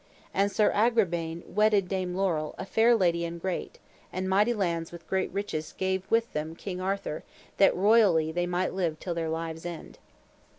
And Sir Agrabaine wedded Dame Laurel, a fair lady and great, and mighty lands with great riches gave with them King Arthur, that royally they might live till their lives' end.